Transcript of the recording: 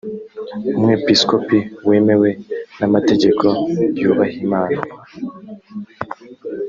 umwepiskopi wemewe namategeko yubahimana.